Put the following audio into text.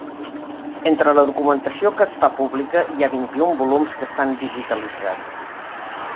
Entre la documentació que es fa pública hi ha vint-i-un volums que estan digitalitzats.